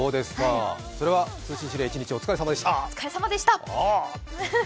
それは通信指令、一日お疲れさまでした！